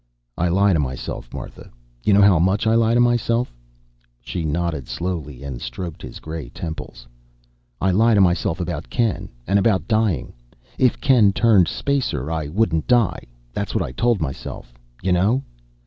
"I lie to myself, Martha. You know how much I lie to myself?" She nodded slowly and stroked his gray temples. "I lie to myself about Ken, and about dying. If Ken turned spacer, I wouldn't die that's what I told myself. You know?"